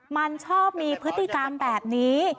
มันชอบมีพฤติกรรมแบบนี้